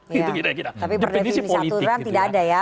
depenisi politik tapi per depenisi aturan tidak ada ya